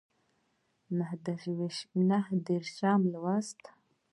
نهه دیرشم لوست